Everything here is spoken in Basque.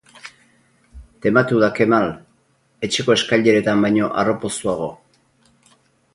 Tematu da Kemal, etxeko eskaileretan baino harropoztuago.